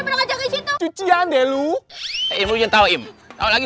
ngajakin situ cucian delu yang tahu tahu lagi